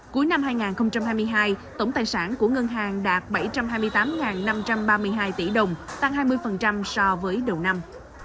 cuối năm hai nghìn hai mươi hai tổng tài sản của ngân hàng đạt bảy trăm hai mươi tám năm trăm ba mươi hai tỷ đồng tăng hai mươi so với đầu năm